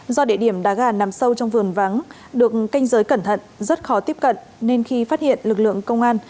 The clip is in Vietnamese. do địa điểm đá gà nằm sâu trong vườn vắng được canh giới cẩn thận rất khó tiếp cận nên khi phát hiện lực lượng công an